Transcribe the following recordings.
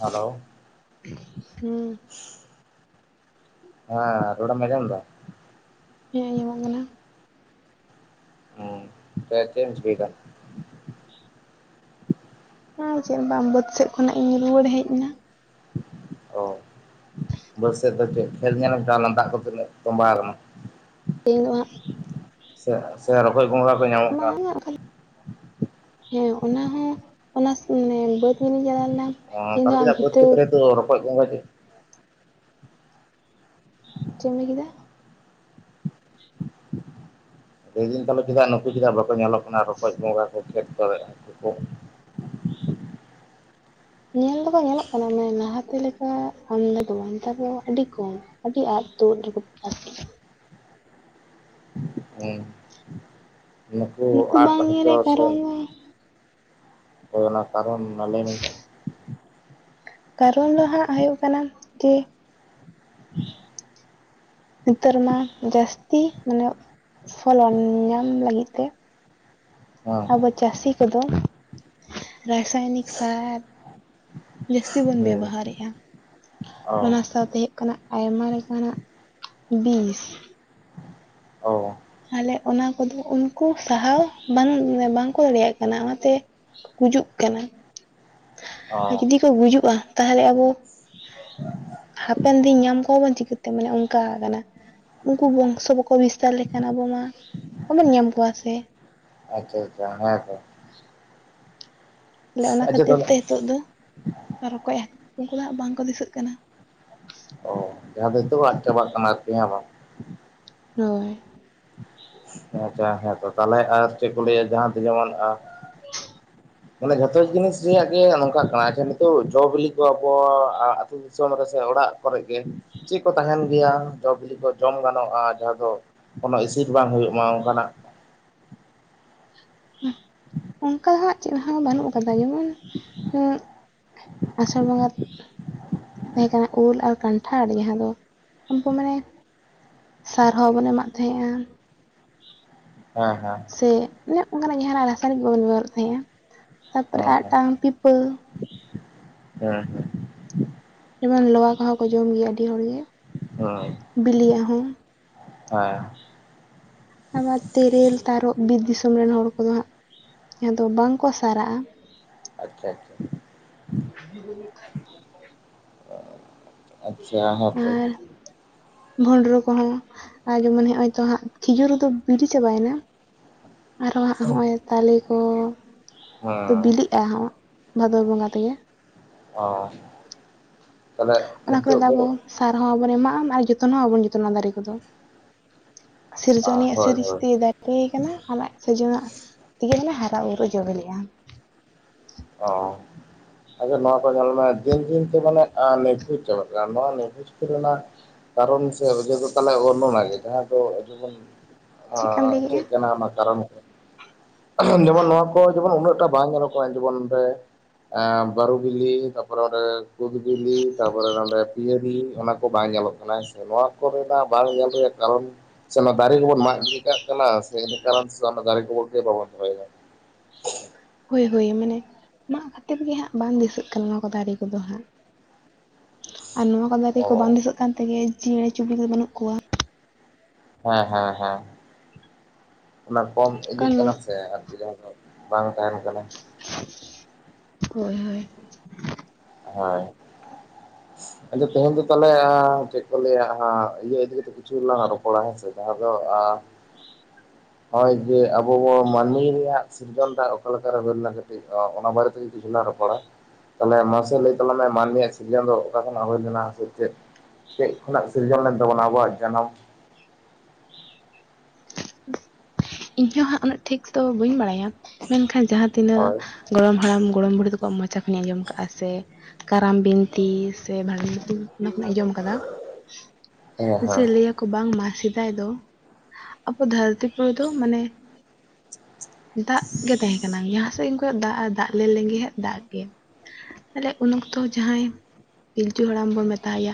Hello ᱦᱩᱸ ᱦᱮᱸ ᱨᱚᱲ ᱮᱢ ᱟᱡᱚᱢᱫᱟ ᱦᱮᱸ ᱟᱡᱚᱢᱚᱜ ᱠᱟᱱᱟ ᱦᱸ ᱪ [unintelligible] ᱮᱢ ᱪᱤᱠᱟᱭᱫᱟ ᱟᱨ ᱪᱮᱫ ᱵᱟᱝ ᱵᱟᱹᱫ ᱥᱮᱡ ᱠᱷᱚᱱᱟᱜ ᱤᱧ ᱨᱩᱭᱟᱹᱲ ᱦᱮᱡ ᱮᱱᱟ᱾ [inaudible] [unintelligible] ᱵᱟᱹᱫᱥᱮᱫ ᱫᱚ ᱪᱮᱫ ᱠᱷᱮᱞ ᱧᱮᱞ ᱮᱢ ᱪᱟᱣ ᱞᱮᱱᱟ ᱫᱟᱜ ᱠᱚ ᱛᱤᱱᱟᱹᱜ ᱛᱚᱸᱵᱟᱣ ᱠᱟᱱᱟ? ᱛᱮᱦᱮᱧ ᱫᱚ ᱦᱟᱸᱜ ᱥᱮ ᱥᱮ ᱨᱚᱠᱚᱡ ᱜᱷᱚᱸᱜᱟ ᱠᱚ ᱧᱟᱢᱚᱜ ᱵᱟᱝ ᱠᱟᱱᱟ? ᱚᱱᱠᱟ ᱦᱮᱸ ᱚᱱᱟ ᱦᱚᱸ ᱚᱱᱟ ᱢᱟᱱᱮ ᱵᱟᱹᱫᱽ ᱧᱮᱞᱤᱧ ᱪᱟᱞᱟᱣ ᱞᱮᱱᱟ ᱚ ᱛᱮᱦᱮᱧ ᱫᱚ ᱟᱞᱮ ᱦᱟᱸᱜ ᱥᱮᱱᱟᱜ ᱵᱟᱹᱫᱽ ᱵᱷᱤᱛᱟᱹ ᱠᱷᱮᱛ ᱨᱮ ᱫᱚ ᱨᱚᱠᱚᱡ ᱜᱷᱚᱸᱜᱟ ᱪᱮᱫ ᱮᱢ ᱞᱟᱹᱭ ᱠᱮᱫᱟ? ᱞᱟᱹᱫᱟᱹᱧ ᱛᱟᱦᱞᱮ ᱪᱮᱫᱟᱜ ᱱᱩᱠᱩ ᱪᱮᱫᱟᱜ ᱵᱟᱠᱚ ᱧᱮᱞᱚᱜ ᱠᱟᱱᱟ ᱨᱚᱠᱚᱡ ᱜᱷᱚᱸᱜᱟ ᱠᱚ ᱠᱷᱮᱛ ᱠᱚᱨᱮᱜ ᱩᱱᱠᱩ ᱧᱮᱞ ᱫᱚᱠᱚ ᱧᱮᱞᱚᱜ ᱠᱟᱱᱟ ᱢᱟᱱᱮ ᱞᱟᱦᱟᱛᱮ ᱞᱮᱠᱟ ᱟᱢᱫᱟ ᱫᱚ ᱵᱟᱝ ᱱᱮᱛᱟᱨ ᱫᱚ ᱟᱹᱰᱤ ᱠᱚᱢ᱾ ᱟᱨᱠᱤ ᱟᱫ ᱛᱩᱫ [inaudible] ᱦᱮᱸ ᱱᱩᱠᱩ ᱟᱫ ᱵᱟᱝ ᱧᱮᱞ ᱦᱚᱪᱚ ᱨᱮᱭᱟᱜ ᱥᱮ ᱠᱟᱨᱚᱱ ᱫᱚ ᱠᱚ ᱨᱮᱱᱟᱜ ᱠᱟᱨᱚᱱ ᱢᱟ ᱞᱟᱹᱭ ᱢᱮᱥᱮ? ᱠᱟᱨᱚᱱ ᱫᱚ ᱦᱟᱸᱜ ᱦᱩᱭᱩᱜ ᱠᱟᱱᱟ ᱡᱮ ᱱᱮᱛᱟᱨ ᱢᱟ ᱡᱟᱹᱥᱛᱤ ᱢᱟᱱᱮ ᱯᱷᱚᱞᱚᱱ ᱧᱟᱢ ᱞᱟᱹᱜᱤᱫ ᱛᱮ ᱦᱮᱸ ᱦᱮᱸ ᱟᱵᱚ ᱪᱟᱹᱥᱤ ᱠᱚ ᱫᱚ ᱨᱟᱥᱟᱭᱚᱱᱤᱠ ᱥᱟᱨ ᱡᱟᱹᱥᱛᱤ ᱵᱚᱱ ᱦᱮᱸ ᱵᱮᱵᱚ ᱦᱟᱨᱮᱜᱼᱟ ᱚ ᱚᱱᱟ ᱥᱟᱶᱛᱮ ᱚᱱᱟ ᱟᱭᱢᱟ ᱞᱮᱠᱟᱱᱟᱜ ᱵᱤᱥ ᱚᱸ ᱯᱟᱞᱮᱜ ᱚᱱᱟ ᱠᱚ ᱫᱚ ᱩᱱᱠᱩ ᱥᱟᱦᱟᱣ ᱵᱟᱝ ᱵᱟᱝ ᱠᱚ ᱢᱚᱱᱮᱭᱟᱜ ᱠᱟᱱᱟ ᱚᱱᱟ ᱛᱮ ᱜᱩᱡᱩᱜ ᱠᱟᱱᱟ ᱚ ᱡᱩᱫᱤ ᱠᱚ ᱜᱩᱡᱩᱜᱼᱟ ᱛᱟᱦᱞᱮ ᱟᱵᱚ ᱦᱟᱯᱮᱱ ᱫᱤᱱ ᱧᱟᱢ ᱠᱚᱣᱟ ᱵᱚᱱ ᱪᱤᱠᱟᱹ ᱛᱮ ᱢᱟᱱᱮ ᱚᱱᱠᱟ ᱠᱟᱱᱟ, ᱩᱱᱠᱩ ᱵᱚᱝᱥᱚ ᱵᱟᱠᱚ ᱵᱤᱥᱛᱟᱨ ᱞᱮ ᱠᱷᱟᱱ ᱟᱵᱚ ᱢᱟ ᱵᱟᱵᱚᱱ ᱧᱟᱢ ᱠᱚᱣᱟ ᱥᱮ᱾ ᱟᱪᱪᱷᱟ ᱡᱟᱸᱦᱟᱭ ᱫᱚ [unintelligible] ᱛᱟᱦᱞᱮ ᱚᱱᱟ ᱟᱪᱪᱷᱟ ᱠᱷᱟᱹᱛᱤᱨ ᱛᱟᱦᱚᱞᱮ ᱛᱮ ᱱᱤᱛᱚᱜ ᱫᱚ ᱨᱚᱠᱚᱡᱼᱟ ᱦᱟᱠᱩ ᱩᱱᱠᱩ ᱫᱚ ᱦᱟᱸᱜ ᱵᱟᱝᱠᱚ ᱫᱤᱥᱟᱹᱜ ᱠᱟᱱᱟ᱾ ᱚ ᱡᱟᱦᱟᱸ ᱫᱚ ᱱᱤᱛᱚᱜ ᱟᱫ ᱪᱟᱵᱟ ᱥᱟᱲ ᱟᱫ ᱯᱮᱭᱟ ᱵᱟᱝ? ᱦᱳᱭ, ᱟᱪᱪᱷᱟ ᱦᱮᱸ ᱛᱚ ᱛᱟᱦᱞᱮ ᱟᱨ ᱪᱮᱫ ᱠᱚ ᱞᱟᱹᱭᱟ ᱡᱟᱸᱦᱟ ᱛᱮ ᱡᱮᱢᱚᱱ ᱟᱨ ᱢᱟᱱᱮ ᱡᱷᱚᱛᱚ ᱡᱤᱱᱤᱥ ᱨᱮᱭᱟᱜ ᱜᱮ ᱱᱚᱝ ᱠᱟ ᱠᱟᱱᱟ ᱟᱫᱚ ᱱᱤᱛᱚᱜ ᱡᱚ ᱵᱤᱞᱤ ᱠᱚ ᱟᱵᱚ ᱟᱛᱩ ᱫᱤᱥᱚᱢ ᱨᱮ ᱥᱮ ᱚᱲᱟᱜ ᱠᱚᱨᱮᱜ ᱜᱮ ᱪᱮᱫ ᱠᱚ ᱛᱟᱦᱮᱱ ᱜᱮᱭᱟ ᱡᱚ ᱵᱤᱞᱤ ᱠᱚ ᱡᱚᱢ ᱜᱟᱱᱚᱜᱼᱟ ᱡᱟᱦᱟᱸ ᱫᱚ ᱚᱱᱟ ᱤᱥᱤ ᱵᱟᱝ ᱡᱚᱢᱟᱣ ᱟᱱᱠᱟᱱᱟ, ᱚᱱᱠᱟ ᱦᱟᱸᱜ ᱪᱤᱱᱦᱟᱹᱣ ᱵᱟᱹᱱᱩᱜ ᱠᱟᱫᱟ᱾ ᱡᱮᱢᱚᱱ, ᱩᱸ ᱟᱥᱟᱲ ᱵᱚᱸᱜᱟ ᱛᱟᱦᱮᱸ ᱠᱟᱱᱟ ᱩᱞ ᱟᱨ ᱠᱟᱱᱴᱷᱟᱲ ᱡᱟᱦᱟᱸ ᱫᱚ ᱩᱱᱠᱩ ᱢᱟᱱᱮ ᱥᱟᱨ ᱦᱚᱸ ᱵᱚᱱ ᱮᱢᱟᱜ ᱛᱟᱦᱮᱸᱜᱼᱟ᱾ ᱦᱮᱸ ᱦᱮᱸ᱾ ᱥᱮ ᱚᱱᱮ ᱚᱱᱠᱟᱱᱟᱜ ᱡᱟᱦᱟᱱᱟᱜ ᱨᱟᱥᱟᱭᱱᱤᱠ ᱵᱟᱵᱚᱱ ᱵᱮᱵᱚᱦᱟᱨᱮᱫ ᱛᱟᱦᱮᱸᱜᱼᱟ ᱛᱟᱯᱚᱨᱮ ᱦᱮᱸ ᱟᱨ ᱟᱴᱟᱝ ᱯᱤᱯᱟᱹ ᱦᱮᱸ ᱡᱮᱢᱚᱱ ᱞᱚᱣᱟ ᱠᱚ ᱦᱚᱸ ᱠᱚ ᱡᱚᱢ ᱜᱮᱭᱟ ᱟᱹᱰᱤ ᱦᱚᱲ ᱜᱮ ᱾ ᱚ, ᱦᱮᱸ ᱟᱵᱟᱨ ᱛᱤᱨᱤᱞ, ᱛᱟᱨᱚᱵ, ᱵᱤᱨ ᱫᱤᱥᱚᱢ ᱨᱮᱱ ᱦᱚᱲ ᱠᱚ ᱫᱚ ᱦᱟᱸᱜ ᱡᱟᱦᱟᱸ ᱫᱚ ᱵᱟᱝ ᱠᱚ ᱥᱟᱨᱟᱜᱼᱟ᱾ ᱟᱪᱪᱷᱟ ᱟᱪᱪᱷᱟ, ᱠᱷᱟᱸᱪᱤ ᱠᱚ ᱦᱤᱡᱩᱜ ᱛᱟᱸᱦᱮᱜ ᱟᱪᱪᱷᱟ ᱦᱮᱸ ᱛᱚ ᱵᱷᱚᱱᱰᱨᱩ ᱠᱚᱦᱚᱸ ᱟᱨ ᱡᱮᱢᱚᱱ ᱦᱚᱜ-ᱚᱭ ᱛᱚ ᱦᱟᱸᱜ ᱠᱷᱤᱡᱩᱨ ᱫᱚ ᱵᱤᱞᱤ ᱪᱟᱵᱟᱭᱮᱱᱟ ᱾ ᱟᱨᱚ ᱦᱟᱸᱜ ᱦᱚᱸᱜᱼᱚᱭ ᱛᱟᱞᱮ ᱠᱚ ᱦᱮᱸ ᱵᱤᱞᱤᱜᱼᱟ, ᱦᱟᱸᱜ ᱵᱷᱟᱫᱽᱨ ᱵᱚᱸᱜᱟ ᱛᱮᱜᱮ ᱚ ᱛᱟᱦᱚᱞᱮ ᱚᱱᱟ ᱠᱚᱨᱮ ᱱᱤᱛᱚᱜ ᱫᱚ ᱟᱵᱚ ᱥᱟᱨ ᱦᱚᱸ ᱵᱟᱵᱚᱱ ᱮᱢᱟᱜᱼᱟ ᱟᱨ ᱡᱚᱛᱚᱱ ᱦᱚᱸ ᱵᱟᱵᱚᱱ ᱡᱚᱛᱚᱱ-ᱟ ᱫᱟᱨᱮ ᱠᱚᱫᱚ ᱥᱤᱨᱡᱚᱱᱤ ᱦᱳᱭ ᱦᱳᱭ ᱥᱤᱨᱤᱡᱛᱮᱫ ᱦᱩᱭ ᱠᱟᱱᱟ ᱟᱢᱟᱜ ᱥᱚᱡᱚᱱᱟᱜ ᱛᱮᱜᱮ ᱵᱚᱞᱮ ᱦᱟᱨᱟ-ᱵᱩᱨᱩ-ᱟ ᱡᱚ ᱵᱮᱞᱮᱼᱟ ᱚ ᱟᱫᱚ ᱱᱚᱣᱟ ᱠᱚ ᱧᱮᱞ ᱢᱮ ᱫᱤᱱ ᱫᱤᱱ ᱛᱮ ᱢᱟᱱᱮ ᱱᱤᱵᱷᱩᱡ ᱪᱟᱵᱟᱜ ᱠᱟᱱᱟ ᱱᱚᱣᱟ ᱱᱤᱵᱷᱩᱡ ᱠᱚᱨᱮᱱᱟᱜ ᱠᱟᱨᱚᱱ ᱥᱮ ᱚᱡᱚᱜᱚ ᱛᱟᱦᱚᱞᱮ ᱩᱱᱫᱚ ᱚᱱᱟᱜᱮ ᱡᱟᱦᱟᱸ ᱫᱚ ᱡᱮᱢᱚᱱ ᱪᱮᱫᱠᱟᱢ ᱞᱟᱹᱭ ᱠᱮᱜᱼᱟ ᱪᱮᱫ ᱠᱟᱱᱟ ᱚᱱᱟ ᱠᱟᱨᱚᱱ ᱡᱮᱢᱚᱱ ᱱᱚᱣᱟ ᱠᱚ ᱡᱮᱢᱚᱱ ᱩᱱᱟᱹᱜ ᱴᱟ ᱵᱟᱝ ᱧᱮᱞᱚᱜ ᱠᱟᱱᱟ ᱡᱤᱵᱚᱱ ᱨᱮ ᱵᱟᱹᱨᱩ ᱵᱤᱞᱤ ᱛᱟᱯᱚᱨᱮ ᱸᱰᱮ ᱠᱩᱫ ᱵᱤᱞᱤ ᱛᱟᱯᱚᱨᱮ ᱱᱚᱸᱰᱮ ᱯᱤᱭᱟᱨᱤ ᱚᱱᱟ ᱠᱚ ᱵᱟᱝ ᱧᱮᱞᱚᱜ ᱥᱮ ᱱᱚᱣᱟ ᱠᱚᱨᱮᱱᱟᱜ ᱵᱟᱝ ᱧᱮᱞ ᱨᱮᱭᱟᱜ ᱠᱟᱨᱚᱱ ᱥᱮ ᱚᱱᱟ ᱫᱟᱨᱮ ᱜᱮᱵᱚᱱ ᱢᱟᱜ ᱜᱤᱰᱤ ᱠᱟᱜ ᱠᱟᱱᱟ ᱥᱮ ᱤᱱᱟᱹ ᱠᱟᱨᱚᱱ ᱛᱮᱫ ᱚᱱᱟ ᱫᱟᱨᱮ ᱠᱚ ᱜᱮ ᱵᱟᱵᱚᱱ ᱫᱚᱦᱚᱭᱮᱫᱟ ᱦᱳᱭ ᱦᱳᱭ ᱢᱮᱱᱮ ᱢᱟᱜ ᱠᱟᱛᱮᱫ ᱜᱮ ᱦᱟᱸᱜ ᱵᱟᱝ ᱫᱤᱥᱟᱹᱜ ᱠᱟᱱᱟ ᱱᱚᱣᱟ ᱠᱚ ᱫᱟᱨᱮ ᱠᱚᱫᱚ ᱦᱟᱸᱜ [inaudible] ᱟᱨ ᱱᱚᱶᱟ ᱠᱚ ᱫᱟᱨᱮ ᱠᱚ ᱵᱟᱝ ᱚ ᱫᱤᱥᱟᱹᱜ ᱠᱟᱱ ᱛᱮᱜᱮ ᱪᱮᱸᱬᱮ ᱪᱩᱵᱤ ᱫᱚ ᱵᱟᱹᱱᱩᱜ ᱠᱚᱣᱟ ᱦᱮᱸ ᱦᱮᱸ ᱦᱮ ᱚᱱᱟ ᱠᱚᱢ ᱤᱫᱤᱜ ᱠᱟᱨᱚᱱ ᱠᱟᱱᱟ ᱥᱮ ᱟᱨ ᱵᱟᱝ ᱛᱟᱦᱮᱱ ᱠᱟᱱᱟ [inaudible] ᱦᱳᱭ ᱦᱳᱭ ᱦᱳᱭ ᱛᱮᱦᱮᱧ ᱫᱚ ᱛᱟᱦᱚᱞᱮ ᱪᱮᱫ ᱠᱚ ᱞᱟᱹᱭᱟ ᱤᱭᱟᱹ ᱤᱫᱤ ᱠᱟᱛᱮ ᱠᱤᱪᱷᱩ ᱞᱟᱝ ᱨᱚᱯᱚᱲᱟ ᱦᱮᱸᱥᱮ ᱡᱟᱦᱟᱸ ᱫᱚ ᱱᱚᱜᱼᱚᱭ ᱡᱮ ᱟᱵᱚ ᱵᱚᱱ ᱢᱟᱹᱱᱢᱤ ᱨᱮᱭᱟᱜ ᱥᱤᱨᱡᱚᱱ ᱴᱟ ᱚᱠᱟ ᱞᱮᱠᱟᱨᱮ ᱦᱩᱭ ᱞᱮᱱᱟ ᱠᱟᱹᱴᱤᱡ ᱚᱱᱟ ᱵᱟᱨᱮ ᱛᱮᱜᱮ ᱠᱤᱪᱷᱩ ᱞᱟᱝ ᱨᱚᱯᱚᱲᱟ ᱛᱟᱦᱚᱞᱮ ᱢᱟᱥᱮ ᱞᱟᱹᱭ ᱛᱟᱞᱟᱝ ᱢᱮ ᱢᱟᱱᱢᱤᱭᱟᱜ ᱥᱤᱨᱤᱡᱚᱱ ᱫᱚ ᱚᱠᱟ ᱠᱷᱚᱱᱟᱜ ᱦᱩᱭ ᱞᱮᱱᱟ ᱥᱮ ᱪᱮᱫ ᱪᱮᱫ ᱠᱷᱚᱱᱟᱜ ᱥᱤᱨᱡᱚᱱ ᱞᱮᱱ ᱛᱟᱵᱚᱱᱟ ᱟᱵᱚᱣᱟᱜ ᱡᱟᱱᱟᱢ ᱤᱧ ᱦᱚᱸ ᱦᱟᱸᱜ ᱩᱱᱟᱹᱜ ᱴᱷᱤᱠ ᱫᱚ ᱵᱟᱹᱧ ᱵᱟᱲᱟᱭᱟ ᱢᱮᱱᱠᱷᱟᱱ ᱡᱟᱦᱟᱸᱛᱤᱱᱟᱹᱜ ᱦᱳᱭ ᱜᱚᱲᱚᱢ ᱦᱟᱲᱟᱢ ᱜᱚᱲᱚᱢ ᱵᱩᱲᱦᱤ ᱛᱟᱠᱚᱣᱟᱜ ᱢᱚᱪᱟ ᱠᱷᱚᱱᱟᱜ ᱤᱧ ᱟᱸᱡᱚᱢ ᱠᱟᱜᱼᱟ ᱥᱮ ᱠᱟᱨᱟᱢ ᱵᱤᱱᱛᱤ ᱥᱮ ᱵᱷᱟᱱᱰᱟ ᱵᱤᱱᱛᱤ ᱚᱱᱟ ᱠᱷᱚᱱᱟᱜ ᱤᱧ ᱟᱸᱡᱚᱢ ᱟᱠᱟᱫᱟ ᱦᱮᱸ ᱡᱮ ᱦᱮᱸ ᱞᱟᱹᱭᱟ ᱠᱚ ᱵᱟᱝᱢᱟ ᱥᱮᱫᱟᱭ ᱫᱚ ᱟᱵᱚ ᱫᱷᱟᱹᱨᱛᱤ ᱯᱩ ᱛᱚ ᱢᱟᱱᱮ ᱫᱟᱜ ᱜᱮ ᱛᱟᱦᱮᱸ ᱠᱟᱱᱟ ᱡᱟᱦᱟᱸ ᱥᱮᱫ ᱜᱮᱢ ᱠᱚᱭᱚᱜ ᱫᱟᱜ ᱟᱨ ᱫᱟᱜ ᱞᱮ ᱞᱮᱸᱜᱮ ᱦᱟᱜ ᱫᱟᱜ ᱜᱮ ᱛᱟᱦᱞᱮ ᱩᱱ ᱚᱠᱛᱚ ᱡᱟᱦᱟᱸᱭ ᱯᱤᱞᱪᱩ ᱦᱟᱲᱟᱢ ᱵᱚᱱ ᱢᱮᱛᱟᱣᱟᱭᱟ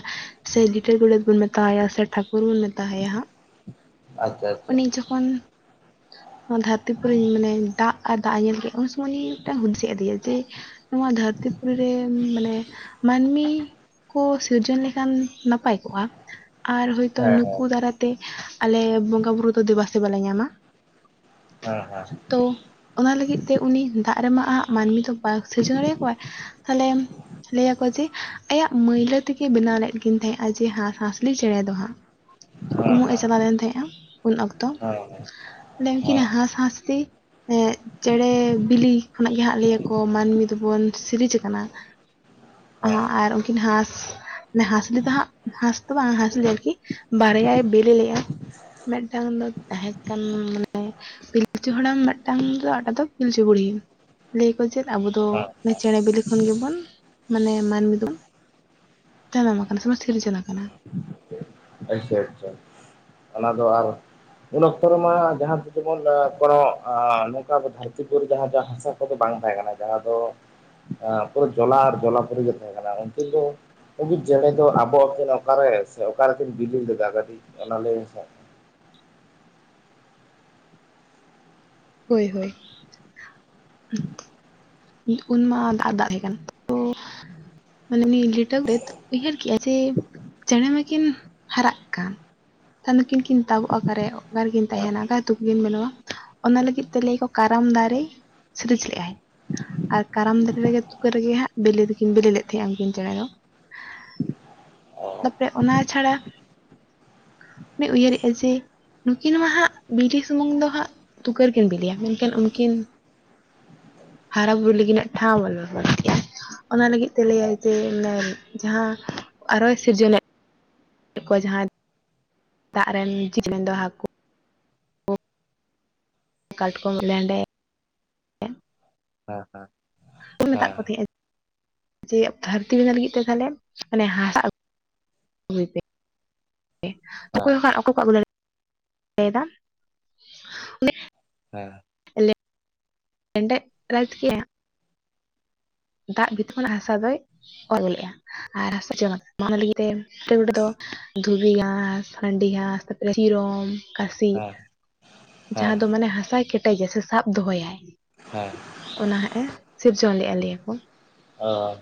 ᱥᱮ ᱞᱤᱴᱟᱹ ᱜᱚᱰᱮᱛ ᱵᱚᱱ ᱢᱮᱛᱟᱣᱟᱭᱟ ᱥᱮ ᱴᱷᱟᱹᱠᱩᱨ ᱵᱚᱱ ᱢᱮᱛ ᱛᱟᱦᱮᱸᱭᱟ ᱦᱟᱸᱜ ᱟᱪᱪᱷᱟ ᱟᱪᱪᱷᱟ ᱩᱱᱤ ᱡᱚᱠᱷᱚᱱ ᱱᱚᱶᱟ ᱫᱷᱟᱹᱨᱛᱤ ᱯᱚᱨᱤ ᱢᱟᱱᱮ ᱫᱟᱜ ᱟᱨ ᱫᱟᱜ ᱧᱮᱞ ᱠᱮᱫ ᱩᱱ ᱥᱚᱢᱚᱭ ᱩᱱᱤ ᱢᱤᱫᱴᱟᱝ ᱦᱩᱫᱤᱥ ᱦᱮᱜ ᱟᱫᱮᱭᱟ ᱡᱮ ᱱᱚᱶᱟ ᱫᱷᱟᱹᱨᱛᱤ ᱯᱩᱨᱤ ᱨᱮ ᱢᱟᱱᱮ ᱢᱟᱹᱱᱢᱤ ᱠᱚ ᱥᱤᱨᱡᱚᱱ ᱞᱮᱠᱷᱟᱱ ᱱᱟᱯᱟᱭ ᱠᱚᱜᱼᱟ ᱟᱨ ᱦᱚᱳᱭᱛᱳ ᱦᱮᱸ ᱱᱩᱠᱩ ᱦᱮᱸ ᱫᱟᱨᱟᱭ ᱛᱮ ᱟᱞᱮ ᱵᱚᱸᱜᱟ ᱵᱩᱨᱩ ᱫᱚ ᱫᱮᱵᱟ ᱥᱮᱵᱟ ᱞᱮ ᱧᱟᱢᱟ ᱦᱮᱸ ᱦᱮᱸ ᱛᱚ ᱚᱱᱟ ᱞᱟᱹᱜᱤᱫ ᱛᱮ ᱩᱱᱤ ᱫᱟᱜ ᱨᱮᱢᱟ ᱟᱜ ᱢᱟᱹᱱᱢᱤ ᱫᱚ ᱦᱟᱥᱦᱟᱥᱲᱤ ᱪᱮᱬᱮᱸ ᱠᱚᱣᱟ ᱦᱟᱱᱮ ᱞᱟᱹᱭᱟᱠᱚ ᱡᱮ ᱟᱭᱟᱜ ᱢᱟᱹᱭᱞᱟᱹ ᱛᱮᱜᱮ ᱵᱮᱱᱟᱣ ᱞᱮᱫ ᱠᱤᱱ ᱛᱟᱦᱮᱸᱜᱼᱟ ᱡᱮ ᱦᱟᱸᱥ ᱦᱟᱸᱥᱞᱤ ᱪᱮᱬᱮ ᱫᱚ ᱦᱟᱸᱜ ᱦᱮᱸ ᱩᱢᱩᱜ ᱮ ᱦᱮᱸ ᱪᱟᱞᱟᱣ ᱞᱮᱱ ᱛᱟᱦᱮᱸᱜᱼᱟ ᱩᱱ ᱚᱠᱛᱚ ᱦᱮᱸ ᱦᱮᱸ ᱚᱸᱰᱮ ᱠᱤ ᱱᱟ ᱦᱟᱸᱥ ᱦᱟᱸᱥᱛᱤ ᱪᱮᱬᱮ ᱵᱤᱞᱤ ᱠᱷᱚᱱᱟᱜ ᱜᱮ ᱦᱟᱸᱜ ᱞᱟᱹᱭᱟᱠᱚ ᱢᱟᱹᱱᱢᱤ ᱫᱚᱵᱚᱱ ᱥᱤᱨᱤᱡᱽ ᱟᱠᱟᱱᱟ ᱟᱨ ᱠᱤᱱ ᱦᱟᱸᱥ ᱦᱟᱸᱥᱞᱤ ᱫᱚ ᱦᱟᱸᱜ ᱦᱟᱸᱥ ᱫᱚ ᱵᱟᱝ ᱦᱟᱸᱥ ᱞᱮ ᱵᱟᱨᱭᱟ ᱵᱤᱞᱤ ᱞᱮᱜᱼᱟ ᱢᱤᱫ ᱴᱟᱝ ᱫᱚ ᱛᱟᱦᱮᱸ ᱟᱱ ᱢᱟᱱᱮ ᱯᱤᱞᱪᱩ ᱦᱟᱲᱟᱢ ᱢᱤᱫ ᱴᱟᱝ ᱫᱚ ᱟ ᱴᱟᱜ ᱫᱚ ᱯᱤᱞᱪᱩ ᱵᱩᱲᱦᱤ ᱞᱟᱹᱭ ᱟᱠᱚ ᱪᱮᱫ ᱟᱵᱚ ᱫᱚ ᱪᱮᱬᱮ ᱵᱤᱞᱤ ᱠᱷᱚᱱ ᱜᱮᱵᱚᱱ ᱢᱟᱱᱮ ᱢᱟᱹᱱᱢᱤ ᱫᱚᱵᱚᱱ ᱛᱟᱭ ᱟᱠᱟᱱᱟ ᱥᱮᱵᱚᱢ ᱥᱤᱨᱡᱚᱱ ᱟᱠᱟᱱᱟ ᱟᱪᱷᱟ ᱟᱪᱷᱟ ᱚᱱᱟ ᱫᱚ ᱟᱨ ᱩᱱ ᱚᱠᱛᱚ ᱨᱮᱢᱟ ᱡᱟᱦᱟᱸ ᱥᱮᱡ ᱵᱚᱱ ᱠᱚᱱᱚ ᱱᱚᱝᱠᱟ ᱟᱵᱚ ᱫᱷᱟᱹᱨᱛᱤ ᱯᱩᱨᱤ ᱡᱟᱦᱟᱸ ᱡᱟᱦᱟᱸ ᱦᱟᱥᱟ ᱫᱚ ᱵᱟᱝ ᱛᱟᱦᱮᱸ ᱠᱟᱱᱟ ᱡᱟᱦᱟᱸ ᱫᱚ ᱯᱩᱨᱟᱹ ᱡᱚᱞᱟ ᱟᱨ ᱡᱚᱞᱟ ᱯᱩᱨᱤ ᱜᱮ ᱛᱟᱦᱮᱸ ᱠᱟᱱᱟ ᱩᱱᱠᱤᱱ ᱫᱚ ᱩᱱᱠᱤᱱ ᱪᱮᱬᱮᱸ ᱫᱚ ᱟᱵᱚ ᱟᱹᱠᱤᱱ ᱚᱠᱟᱨᱮ ᱥᱮ ᱚᱠᱟ ᱨᱮ ᱠᱤᱱ ᱵᱤᱞᱤ ᱞᱮᱫᱟ ᱠᱟᱴᱤᱡ ᱚᱱᱟ ᱞᱟᱹᱭ ᱢᱮ ᱦᱳᱭ ᱦᱳᱭ ᱩᱱᱢᱟ ᱫᱟᱜ ᱨᱮ ᱫᱟᱜ ᱛᱟᱦᱮᱸ ᱠᱟᱱᱟ ᱛᱚ ᱢᱟᱱᱢᱤ ᱞᱤᱴᱟᱹ ᱜᱚᱸᱰᱮᱛ ᱩᱭᱦᱟᱨ ᱠᱮᱫᱟᱭ ᱡᱮ ᱪᱮᱬᱮᱸ ᱢᱟᱠᱤᱱ ᱦᱟᱨᱟᱜ ᱠᱟᱱ ᱛᱟᱱ ᱫᱚᱠᱤᱱ ᱠᱤᱱ ᱛᱟᱵᱚᱜᱼᱟ ᱚᱠᱟᱨᱮ ᱚᱠᱟᱨᱮ ᱦᱮᱸ ᱛᱟᱦᱮᱱᱟ ᱚᱠᱟᱨᱮ ᱛᱩᱠᱟ ᱠᱤᱱ ᱵᱮᱱᱟᱣᱟ ᱚᱱᱟ ᱞᱟᱹᱜᱤᱫ ᱛᱮ ᱞᱟᱹᱭ ᱟᱠᱚ ᱠᱟᱨᱟᱢ ᱫᱟᱨᱮ ᱥᱤᱨᱤᱡᱽ ᱞᱮᱫᱟᱭ ᱟᱨ ᱠᱟᱨᱟᱢ ᱫᱟᱨᱮ ᱨᱮᱜᱮ ᱛᱩᱠᱟᱹ ᱨᱮᱜᱮ ᱦᱟᱸᱜ ᱵᱤᱞᱤ ᱫᱚᱠᱤᱱ ᱵᱤᱞᱤ ᱞᱮᱫᱟ ᱛᱟᱦᱮᱸᱜᱼᱟ ᱩᱱᱠᱤᱱ ᱪᱮᱬᱮ ᱫᱚ ᱛᱟᱯᱚᱨᱮ ᱚᱱᱟ ᱪᱷᱟᱲᱟ ᱩᱭᱦᱟᱹᱨᱮᱫᱟ ᱡᱮ ᱱᱩᱠᱤᱱ ᱢᱟ ᱦᱟᱸᱜ ᱵᱤᱞᱤ ᱥᱩᱢᱩᱝ ᱫᱚ ᱦᱟᱸᱜ ᱛᱩᱠᱟᱹᱨ ᱠᱤᱱ ᱵᱤᱞᱤᱭᱟ ᱢᱮᱱᱠᱷᱟᱱ ᱩᱱᱠᱤᱱ ᱦᱟᱨᱟ ᱵᱩᱨᱩ ᱞᱟᱹᱜᱤᱫᱱᱟᱜ ᱴᱷᱟᱶ ᱵᱟᱱᱩᱜ ᱟᱠᱟᱫ ᱛᱟᱠᱤᱱᱟ ᱚᱱᱟ ᱞᱟᱹᱜᱤᱫ ᱛᱮ ᱞᱟᱹᱭᱟᱭ ᱡᱮ ᱡᱟᱦᱟᱸ ᱟᱨᱚᱭ ᱥᱤᱨᱡᱚᱱᱮᱫ [unintelligible] ᱡᱟᱦᱟᱸ ᱫᱟᱜ ᱨᱮᱱ ᱡᱤᱞ ᱨᱮᱱ ᱫᱚ ᱦᱟᱹᱠᱩ ᱠᱟᱴᱠᱚᱢ ᱞᱮᱸᱰᱮᱫ ᱦᱮᱸ ᱦᱮᱸ ᱢᱮᱛᱟᱜ ᱦᱮᱸ ᱠᱚ ᱛᱟᱦᱮᱸᱼᱟ ᱡᱮ ᱫᱷᱟᱹᱨᱛᱤ ᱵᱮᱱᱟ ᱞᱟᱹᱜᱤᱫ ᱛᱮ ᱛᱟᱦᱟᱞᱮ ᱢᱟᱱᱮ ᱦᱟᱥᱟᱜ ᱜᱩᱭ ᱯᱮ ᱚᱠᱚᱭ ᱠᱚᱶᱟᱜ [unintelligible] ᱦᱮ ᱞᱮᱜ ᱮᱸᱰᱮᱫ ᱨᱟᱡᱽ ᱠᱮᱭᱟ ᱫᱟᱜ ᱵᱷᱤᱛ ᱠᱷᱚᱱᱟᱜ ᱦᱟᱥᱟ ᱫᱚᱭ ᱚᱞ ᱞᱮᱫᱼᱟ ᱟᱨ ᱦᱟᱥᱟ ᱚᱱᱟ ᱞᱟᱹᱜᱤᱫ ᱛᱮ ᱞᱤᱴᱟ ᱜᱚᱸᱰᱮᱛ ᱫᱚ ᱫᱷᱩᱵᱤ ᱜᱷᱟᱸᱥ ᱢᱟᱱᱰᱤ ᱜᱷᱟᱸᱥ ᱛᱟᱯᱚᱨᱮ ᱥᱤᱨᱚᱢ ᱠᱟᱥᱤ ᱦᱮᱸ ᱦᱮᱸ ᱡᱟᱦᱟᱸ ᱫᱚ ᱢᱟᱱᱮ ᱦᱟᱥᱟᱭ ᱠᱮᱴᱮᱡᱟᱭ ᱥᱮ ᱥᱟᱵ ᱫᱚᱦᱚᱭᱟ ᱦᱟ ᱚᱱᱟ ᱦᱟᱸᱜ ᱮ ᱥᱤᱨᱡᱚᱱ ᱞᱮᱫᱼᱟ ᱞᱟᱹᱭ ᱟᱠᱚ ᱚ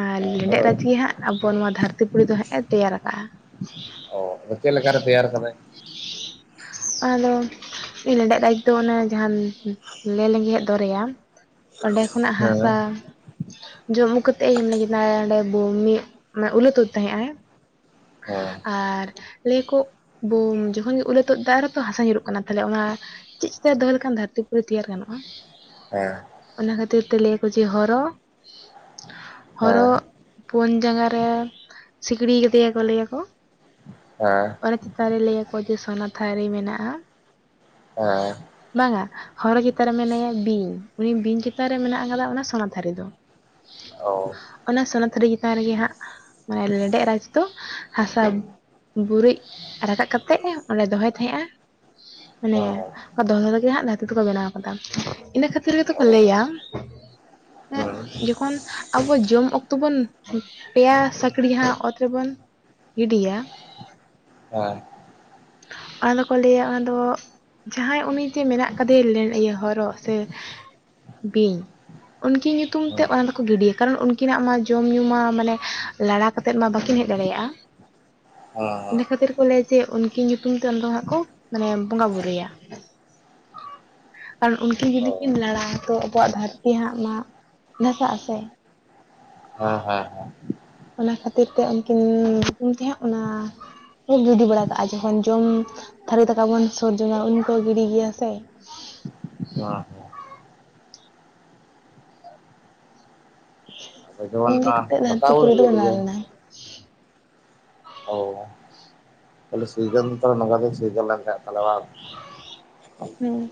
ᱟᱨ ᱞᱮᱸᱰᱮᱛ ᱦᱳᱭ ᱨᱟᱡᱽ ᱜᱮ ᱦᱟᱸᱜ ᱟᱵᱚ ᱱᱚᱣᱟ ᱫᱷᱟᱹᱨᱛᱤᱯᱩᱨᱤ ᱫᱚ ᱦᱟᱸᱜ ᱮ ᱛᱮᱭᱟᱨ ᱟᱠᱟᱫᱼᱟ ᱚ ᱪᱮᱫ ᱞᱮᱠᱟ ᱨᱮ ᱛᱮᱭᱟᱨ ᱟᱠᱟᱫᱟᱭ [inaudible] ᱟᱫᱚ ᱞᱮᱸᱰᱮᱫ ᱨᱟᱡᱽ ᱫᱚ ᱚᱱᱮ ᱡᱟᱦᱟᱱ ᱞᱮ ᱞᱮᱸᱜᱮᱡ ᱫᱚᱨᱭᱟ ᱚᱸᱰᱮ ᱠᱷᱚᱱᱟᱜ ᱦᱮᱸ ᱦᱮᱸ ᱦᱟᱥᱟ ᱡᱚᱢᱩ ᱠᱟᱛᱮ ᱮᱢ ᱠᱮᱫᱟ ᱚᱸᱰᱮ ᱵᱩᱢᱤ ᱢᱟᱱᱮ ᱩᱞᱟᱹ ᱛᱩᱫ ᱛᱟᱦᱮᱸᱜ ᱟᱭ ᱦᱮᱸ ᱦᱮᱸ ᱟᱨ ᱞᱟᱹᱭᱠᱚ ᱵᱳᱢ ᱡᱚᱠᱷᱚᱱ ᱜᱮ ᱩᱞᱟᱹ ᱛᱚᱫ ᱫᱟ ᱟᱨᱦᱚ ᱛᱚ ᱦᱟᱥᱟ ᱧᱩᱨᱩᱜ ᱠᱟᱱᱟ ᱛᱟᱦᱚᱞᱮ ᱚᱱᱟ ᱪᱮᱫ ᱛᱮ ᱫᱚᱦᱚ ᱞᱮᱠᱷᱟᱱ ᱫᱷᱟᱹᱨᱛᱤ ᱯᱩᱨᱤ ᱛᱮᱭᱟᱨ ᱜᱟᱱᱚᱜᱼᱟ ᱦᱮᱸ ᱚᱱᱟ ᱠᱷᱟᱹᱛᱤᱨ ᱛᱮ ᱞᱟᱹᱭᱟᱠᱚ ᱡᱮ ᱦᱚᱨᱚ ᱦᱚᱨᱚ ᱯᱩᱱ ᱡᱟᱸᱜᱟ ᱨᱮ ᱥᱤᱠᱲᱤ ᱠᱮᱫᱮᱭᱟᱠᱚ ᱞᱟᱹᱭᱟᱠᱚ ᱦᱮᱸ ᱚᱱᱟ ᱪᱮᱛᱟᱱ ᱨᱮ ᱞᱟᱹᱭ ᱟᱠᱚ ᱡᱮ ᱥᱳᱱᱟ ᱛᱷᱟᱨᱤ ᱢᱮᱱᱟᱜᱼᱟ ᱦᱮᱸ ᱵᱟᱝᱟ ᱦᱚᱨᱚ ᱪᱮᱛᱟᱱ ᱨᱮ ᱢᱮᱱᱟᱭᱟ ᱵᱤᱧ ᱩᱱᱤ ᱵᱤᱧ ᱪᱮᱛᱟᱱ ᱨᱮ ᱢᱮᱱᱟᱜ ᱠᱟᱫᱟ ᱚᱱᱟ ᱥᱚᱱᱟ ᱛᱷᱟᱹᱨᱤ ᱫᱚ [inaudible] ᱟᱵ [unintelligible] ᱚᱱᱟ ᱥᱚᱱᱟ ᱛᱷᱟᱹᱨᱤ ᱪᱮᱛᱟᱱ ᱨᱮᱜᱮ ᱦᱟᱸᱜ ᱢᱟᱱᱮ ᱞᱮᱸᱰᱮᱡ ᱨᱟᱡᱽ ᱫᱚ ᱦᱟᱥᱟ ᱵᱩᱨᱤᱡ ᱨᱟᱠᱟᱵ ᱠᱟᱛᱮᱜ ᱚᱸᱰᱮ ᱫᱚᱦᱚᱭ ᱛᱟᱦᱮᱸᱜᱼᱟ ᱢᱟᱱᱮ ᱦᱮᱸ ᱦᱮᱸ ᱠᱟ ᱫᱚᱦᱚ ᱞᱟᱜᱮ ᱦᱟᱸᱜ ᱫᱷᱟᱹᱨᱛᱤ ᱛᱮᱠᱚ ᱵᱮᱱᱟᱣ ᱟᱠᱟᱫᱟ ᱤᱱᱟᱹ ᱠᱷᱟᱹᱛᱤᱨ ᱜᱮᱛᱚ ᱚ ᱞᱟᱹᱭᱟ ᱮᱸ ᱦᱮᱸ ᱡᱚᱠᱷᱚᱱ ᱟᱵᱚ ᱡᱚᱢ ᱚᱠᱛᱚ ᱵᱚᱱ ᱯᱮᱭᱟ ᱥᱟᱹᱠᱲ ᱡᱟᱦᱟᱸ ᱚᱛ ᱨᱮᱵᱚᱱ ᱤᱰᱤᱭᱟ ᱦᱮᱸ ᱚᱱᱟ ᱫᱚᱠᱚ ᱞᱟᱹᱭᱟ ᱚᱱᱟ ᱫᱚ ᱡᱟᱦᱟᱸᱭ ᱩᱱᱤᱡᱮ ᱢᱮᱱᱟᱜ ᱠᱟᱫᱮᱭᱟ ᱤᱭᱟᱹ ᱦᱚᱨᱚᱜ ᱥᱮ ᱵᱤᱧ ᱩᱱᱠᱤ ᱧᱩᱛᱩᱢ ᱛᱮ ᱚᱱᱟ ᱠᱚ ᱜᱤᱰᱤᱭᱟ ᱠᱟᱨᱚᱱ ᱩᱱᱠᱤᱱᱟᱜ ᱢᱟ ᱡᱚᱢ ᱧᱩ ᱢᱟ ᱢᱟᱱᱮ ᱞᱟᱲᱟ ᱠᱟᱛᱮᱫ ᱢᱟ ᱵᱟᱹᱠᱤᱱ ᱦᱮᱡ ᱫᱟᱲᱮᱭᱟᱜᱼᱟ ᱤᱱᱟᱹ ᱠᱷᱟᱹᱛᱤᱨ ᱠᱚ ᱞᱟᱹᱭᱟ ᱡᱮ ᱩᱱᱠᱤᱱ ᱧᱩᱛᱩᱢ ᱛᱮ ᱩᱱ ᱫᱚ ᱦᱟᱸᱜ ᱠᱚ ᱢᱟᱱᱮ ᱵᱚᱸᱜᱟ ᱵᱩᱨᱩᱭᱟ ᱟᱨ ᱩᱱᱠᱤᱱ ᱡᱩᱫᱤ ᱠᱤᱱ ᱞᱟᱲᱟ ᱛᱚ ᱟᱵᱚᱣᱟᱜ ᱫᱷᱟᱹᱨᱛᱤ ᱦᱟᱸᱜ ᱢᱟ ᱫᱟᱷᱟᱥᱟᱜ ᱟᱥᱮ ᱦᱮᱸ ᱦᱮᱸ ᱦᱮᱸ ᱚᱱᱟ ᱠᱷᱟᱹᱛᱤᱨ ᱛᱮ ᱩᱱᱠᱤᱱ ᱧᱩᱛᱩᱢ ᱛᱮ ᱦᱟᱜ ᱚᱱᱟ ᱠᱚ ᱜᱤᱰᱤ ᱵᱟᱲᱟ ᱠᱟᱜᱼᱟ ᱡᱚᱠᱷᱚᱱ ᱡᱚᱢ ᱛᱷᱟᱹᱨᱤ ᱫᱟᱠᱟ ᱵᱚᱱ ᱥᱩᱨᱡᱚᱢᱟ ᱩᱱ ᱠᱚ ᱜᱤᱰᱤᱭ ᱜᱮᱭᱟ ᱥᱮ ᱦᱮᱸ ᱟᱫᱚ ᱡᱮᱢᱚᱱ ᱱᱤᱠᱟᱹ ᱠᱟᱛᱮᱛ ᱫᱟᱠᱟ ᱵᱚᱱ ᱫᱷᱟᱹᱨᱛᱤᱯᱩᱨ ᱫᱚ ᱜᱤᱲᱤᱭ ᱵᱮᱱᱟᱣ ᱡᱮᱢ ᱞᱮᱱᱟ ᱛᱟᱦᱮ ᱥᱤᱡᱚᱱ ᱛᱚ ᱛᱟᱦᱮ ᱱᱚ ᱥᱤᱡ ᱞᱮ ᱛᱟᱦᱚᱞᱮ [unintelligible] ᱦᱩᱸ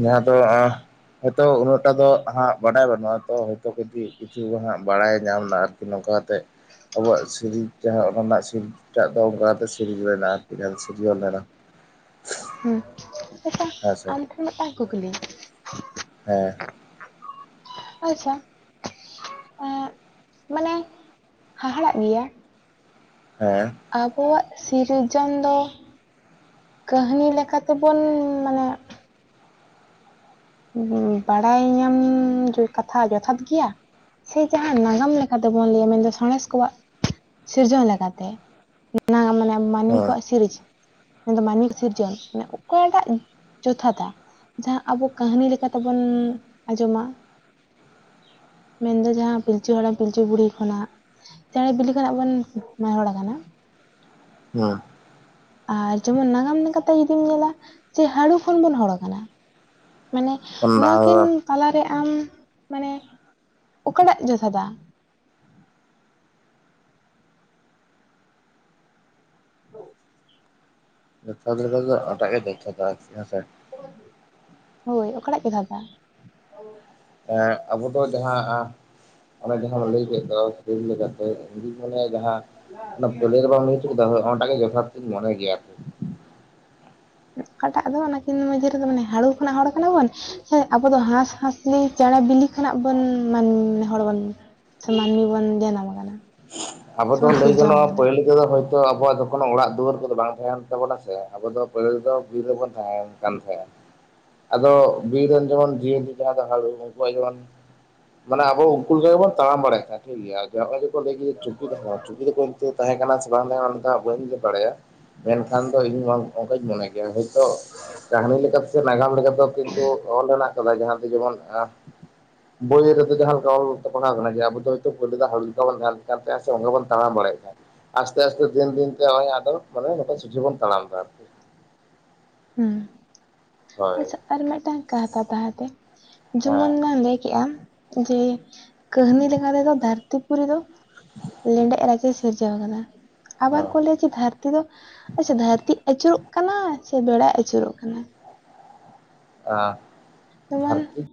ᱡᱟᱦᱟᱸ ᱫᱚ ᱦᱚᱭᱛᱳ ᱩᱱᱟᱹᱜᱴᱟ ᱫᱚ ᱦᱟᱸᱜ ᱵᱟᱰᱟᱭ ᱵᱟᱹᱱᱩᱜᱼᱟ ᱛᱚ ᱦᱭᱛᱳ ᱠᱟᱹᱴᱤᱡ [unintelligible] ᱠᱤᱪᱷᱩ ᱦᱟᱸᱜ ᱵᱟᱲᱟᱭ ᱧᱟᱢᱱᱟ ᱟᱨᱠᱤ ᱱᱚᱝᱠᱟᱛᱮ ᱟᱵᱚᱣᱟᱜ ᱥᱤᱨᱤᱡ ᱡᱟᱦᱟᱸ ᱚᱱᱟ ᱨᱮᱱᱟᱜ ᱥᱤᱨᱴᱟᱜ ᱫᱚ ᱚᱱᱠᱟᱛᱮ ᱥᱤᱨᱤᱡ ᱢᱮᱱᱟᱜᱼᱟ ᱟᱨᱠᱤ ᱥᱤᱨᱡᱚᱱ ᱞᱮᱱᱟ ᱦᱩᱸ ᱟᱪ ᱦᱮᱸ ᱥᱮ ᱟᱢ ᱴᱷᱮᱱ ᱢᱤᱴᱟᱝ ᱠᱩᱠᱞᱤ ᱦᱮᱸ ᱟᱪᱪᱷᱟ ᱮ ᱢᱟᱱᱮ ᱦᱟᱦᱟᱲᱟᱜ ᱜᱮᱭᱟ ᱦᱮᱸ ᱟᱵᱚᱣᱟᱜ ᱥᱤᱨᱡᱚᱱ ᱫᱚ ᱠᱟᱹᱦᱱᱤ ᱞᱮᱠᱟᱛᱮᱵᱚᱱ ᱢᱟᱱᱮ ᱵᱟᱲᱟᱭ ᱧᱟᱢ ᱠᱟᱛᱷᱟ ᱡᱚᱛᱷᱟᱛ ᱜᱮᱭᱟ ᱥᱮ ᱡᱟᱦᱟᱸ ᱱᱟᱜᱟᱢ ᱞᱮᱠᱟᱛᱮᱵᱚᱱ ᱞᱟᱹᱭᱟ ᱢᱮᱱᱫᱚ ᱥᱟᱬᱮᱥ ᱠᱚᱣᱟᱜ ᱥᱤᱨᱡᱚᱱ ᱞᱮᱠᱟᱛᱮ ᱱᱟ ᱢᱟᱱᱮ ᱢᱟᱹᱱᱢᱤ ᱦᱮᱸ ᱠᱚᱣᱟᱜ ᱥᱤᱨᱤᱡ ᱢᱮᱱ ᱢᱟᱹᱱᱤᱠ ᱥᱤᱨᱡᱚᱱ ᱢᱟᱱᱮ ᱚᱠᱟᱴᱟᱜ ᱡᱚᱛᱷᱟᱛᱷᱟ ᱡᱟᱦᱟᱸ ᱟᱵᱚ ᱠᱟᱹᱦᱱᱤ ᱞᱮᱠᱟᱛᱮᱵᱚᱱ ᱟᱸᱡᱚᱢᱟ ᱢᱮᱱᱫᱚ ᱡᱟᱦᱟᱸ ᱯᱤᱞᱪᱩ ᱦᱟᱲᱟᱢ ᱯᱤᱞᱪᱩ ᱵᱩᱦᱲᱤ ᱠᱷᱚᱱᱟᱜ ᱪᱮᱬᱮ ᱵᱤᱞᱤ ᱠᱷᱚᱱᱟᱜ ᱵᱚᱱ ᱱᱮᱦᱚᱲ ᱠᱟᱱᱟ [unintelligible] ᱦᱮᱸ ᱟᱨ ᱡᱮᱢᱚᱱ ᱱᱟᱜᱟᱢ ᱞᱟᱠᱟ ᱛᱮ ᱡᱩᱫᱤᱢ ᱧᱮᱞᱟ ᱡᱮ ᱦᱟᱹᱲᱩ ᱠᱷᱚᱱ ᱵᱚᱱ ᱦᱚᱲ ᱠᱟᱱᱟ ᱢᱟᱱᱮ ᱚᱱᱟ ᱱᱚᱣᱟᱠᱤᱱ ᱛᱟᱞᱟᱨᱮ ᱟᱢ ᱢᱟᱱᱮ ᱚᱠᱟᱴᱟᱜ ᱡᱚᱛᱷᱟᱛᱟ ᱡᱚᱛᱷᱟᱛ ᱞᱮᱠᱟᱛᱮ ᱫᱚ ᱚᱴᱟᱜ ᱜᱮ ᱡᱚᱛᱷᱟᱛᱟ ᱦᱳᱭ ᱚᱠᱟᱴᱟᱜ ᱡᱚᱛᱷᱟᱫᱟ ᱟᱵᱚ ᱫᱚ ᱡᱟᱦᱟᱸ ᱚᱱᱮ ᱡᱟᱦᱟᱸ ᱵᱚ ᱞᱟᱹᱭ ᱠᱮᱫ ᱫᱚ ᱡ [unintelligible] ᱞᱮᱠᱟᱛᱮ ᱤᱧ ᱢᱚᱱᱮᱭᱟ ᱡᱟᱦᱟᱸ ᱚᱱᱟ ᱯᱞᱮᱨ ᱵᱟᱝ ᱢᱤᱫ [unintelligible] ᱫᱚ ᱚᱱᱟ ᱜᱮ ᱡᱚᱛᱷᱟ ᱢᱚᱱᱮ ᱜᱮᱭᱟ ᱟᱨᱠᱤ ᱚᱠᱟᱴᱟᱜ ᱫᱚ ᱚᱱᱟᱠᱤᱱ ᱢᱩᱫᱷᱮ ᱨᱮᱫᱚ ᱢᱟᱱᱮ ᱦᱟᱹᱲᱩ ᱠᱷᱚᱱᱟᱜ ᱦᱚᱲ ᱠᱟᱱᱟ ᱵᱚᱱ ᱥᱮ ᱟᱵᱚ ᱫᱚ ᱦᱟᱸᱥᱻᱦᱟᱸᱥᱞᱤ ᱪᱮᱬᱮ ᱵᱤᱞᱤ ᱠᱷᱚᱱᱟᱜ ᱵᱚᱱ ᱦᱚᱲ ᱵᱚᱱ ᱥᱮ ᱢᱟᱹᱱᱢᱤ ᱵᱚᱱ ᱡᱟᱱᱟᱢ ᱟᱠᱟᱱᱟ ᱟᱵᱚ ᱫᱚ ᱥᱮᱵᱚᱱ ᱞᱟᱹᱭ ᱥᱤᱨᱡᱚᱱ ᱜᱟᱱᱚᱜᱼᱟ ᱟᱠᱟᱱᱟ ᱯᱟᱦᱤᱞ ᱫᱚ ᱦᱳᱭᱛᱚ ᱟᱵᱚᱣᱟᱜ ᱠᱚᱱᱳ ᱚᱲᱟᱜ ᱫᱩᱣᱟᱹᱨ ᱠᱚᱫᱚ ᱵᱟᱝ ᱛᱟᱦᱮᱱ ᱛᱟᱵᱚᱱᱟ ᱥᱮ ᱟᱵᱚ ᱫᱚ ᱯᱟᱦᱤᱞ ᱫᱚ ᱵᱤᱨ ᱨᱮᱵᱚᱱ ᱛᱟᱦᱮᱱ ᱛᱟᱦᱮᱸᱱᱟ ᱟᱫᱚ ᱵᱤᱨ ᱨᱮᱱ ᱡᱮᱢᱚᱱ ᱡᱤᱭᱟᱹᱞᱤ ᱠᱟᱱᱟ ᱠᱚ ᱦᱟᱲᱩ ᱩᱱᱠᱩᱣᱟᱜ ᱡᱮᱢᱚᱱ ᱢᱟᱱᱮ ᱟᱵᱚ ᱩᱱᱠᱩ ᱞᱮᱠᱟ ᱜᱮᱵᱚᱱ ᱛᱟᱲᱟᱢ ᱵᱟᱲᱟᱭᱮᱫ ᱛᱟᱦᱮ ᱴᱤᱠ ᱜᱮᱭᱟ ᱱᱚᱜᱼ [unintelligible] ᱚᱭᱠᱚ ᱞᱟᱹᱭ ᱪᱩᱯᱤ ᱛᱟᱦᱮ ᱠᱟᱱᱟ, ᱪᱩᱯᱤ ᱫᱚ ᱛᱟᱦᱮᱸ ᱠᱟᱱᱟ ᱥᱮ ᱵᱟᱝ ᱛᱟᱦᱮᱸ ᱠᱟᱱᱟ ᱚᱱᱟ ᱫᱚ ᱦᱟᱸᱜ ᱵᱟᱹᱧ ᱵᱟᱲᱟᱭᱟ ᱢᱮᱱᱠᱷᱟᱱ ᱫᱚ ᱤᱧ ᱚᱱᱠᱟᱧ ᱢᱚᱱᱮ ᱜᱮᱭᱟ ᱦᱚᱳᱭᱛᱳ ᱠᱟᱹᱦᱱᱤ ᱥᱮ ᱱᱟᱜᱟᱢ ᱞᱮᱠᱟ ᱫᱚ ᱠᱤᱱᱛᱩ ᱚᱞ ᱢᱮᱱᱟᱜ ᱠᱟᱫᱟ ᱡᱟᱦᱟᱸ ᱫᱚ ᱡᱮᱢᱚᱱ ᱵᱳᱭ ᱨᱮᱫᱚ ᱡᱟᱦᱟᱸ ᱞᱮᱠᱟ ᱚᱞ ᱛᱮᱵᱚᱱᱟ ᱠᱟᱱᱟ ᱡᱮ ᱟᱵᱚ ᱫᱚ ᱦᱳᱭᱛᱳ ᱯᱳᱭᱞᱳ ᱫᱚ ᱦᱟᱺᱲᱩ ᱞᱮᱠᱟᱵᱚᱱ ᱧᱮᱞ ᱛᱟᱭ ᱥᱮ ᱚᱰᱮ ᱵᱚᱱ ᱛᱟᱲᱟᱢ ᱵᱟᱲᱟᱭᱮᱫ ᱠᱟᱱ ᱛᱟᱦᱮᱱᱟ ᱟᱥᱛᱮ ᱟᱥᱛᱮ ᱫᱤᱱ ᱫᱤᱱᱛᱮ ᱱᱚᱜ ᱚᱭ ᱟᱫᱚ ᱱᱚᱝᱠᱟ ᱥᱩᱡᱷᱤ ᱵᱚᱱ ᱛᱟᱲᱟᱢ ᱮᱫᱟ ᱟᱨᱠᱤ ᱦᱩᱸ ᱦᱳᱭ ᱟᱪᱪᱷᱟ ᱟᱨ ᱢᱤᱫᱴᱟᱝ ᱠᱟᱛᱷᱟ ᱛᱟᱦᱛᱮ ᱡᱮᱢᱚᱱ ᱦᱮᱸ ᱮᱢ ᱞᱟᱹᱭ ᱠᱮᱜᱼᱟᱢ ᱡᱮ ᱠᱟᱹᱦᱱᱤ ᱞᱮᱠᱟᱛᱮ ᱫᱚ ᱫᱷᱟᱹᱨᱛᱤᱯᱩᱨᱤ ᱫᱚ ᱞᱮᱸᱰᱮᱛ ᱨᱟᱡᱮ ᱥᱤᱨᱡᱟᱹᱣᱟ ᱟᱠᱟᱫᱟ ᱦᱮᱸ ᱟᱵᱟᱨ ᱠᱚ ᱞᱟᱹᱭᱟ ᱫᱷᱟᱹᱨᱛᱤ ᱫᱚ ᱟᱪᱪᱷᱟ ᱫᱷᱟᱹᱨᱛᱤ ᱟᱹᱪᱩᱨᱚᱜ ᱠᱟᱱᱟ ᱥᱮ ᱵᱮᱲᱟᱭ ᱟᱹᱪᱩᱨᱚᱜ ᱠᱟᱱᱟ ᱟ ᱡᱮᱢᱚᱱ ᱫᱷᱟᱹᱨᱛᱤ